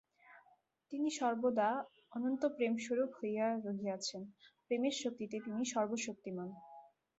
তিনি সর্বদা অনন্ত প্রেমস্বরূপ হইয়া রহিয়াছেন, প্রেমের শক্তিতে তিনি সর্বশক্তিমান্।